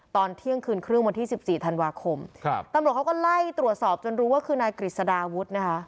ตอนเที่ยงคืนครึ่งวันที่สิบสี่ธันวาคมครับตำรวจเขาก็ไล่ตรวจสอบจนรู้ว่าคือนายกฤษฎาวุฒินะคะ